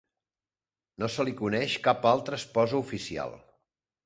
No se li coneix cap altra esposa oficial.